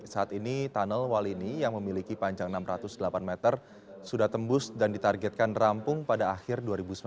saat ini tunnel walini yang memiliki panjang enam ratus delapan meter sudah tembus dan ditargetkan rampung pada akhir dua ribu sembilan belas